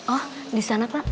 oh disana pak